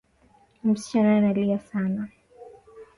Msichana analia sana